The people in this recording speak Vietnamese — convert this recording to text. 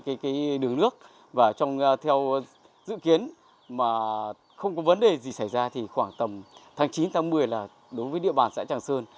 cái đường nước và theo dự kiến mà không có vấn đề gì xảy ra thì khoảng tầm tháng chín tháng một mươi là đối với địa bàn xã tràng sơn